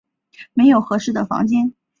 没有适合的房间